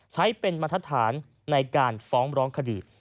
ใช้เป็นบรรทฐานในการฟ้องร้องคดี